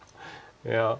いや。